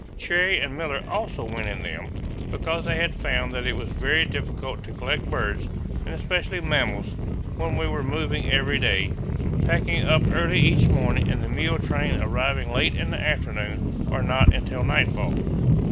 Cherrie and Miller also went in them, because they had found that it was very difficult to collect birds, and especially mammals, when we were moving every day, packing up early each morning and the mule train arriving late in the afternoon or not until nightfall.